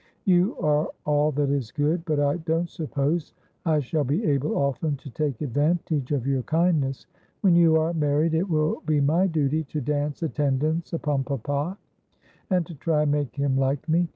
You are all that is good : but I don't suppose I shall be able often to take advantage of your kindness. When you are married it will be my duty to dance attendance upon papa, and to try and make him like me.